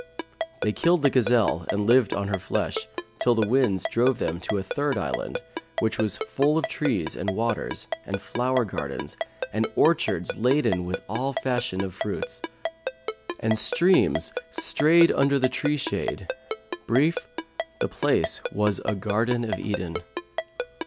They killed the gazelle, and lived on her flesh, till the winds drove them to a third island which was full of trees and waters and flower gardens and orchards laden with all fashion of fruits: and streams strayed under the tree shade: brief, the place was a Garden of Eden.